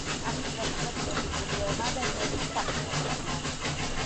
ამით ისარგებლა გიორგი გურიელმა და იმერეთის ტახტი მიიტაცა.